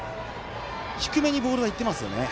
低めにボールはいってますよね。